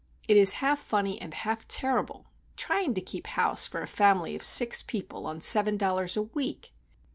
It is half funny and half terrible,—trying to keep house for a family of six people on seven dollars a week!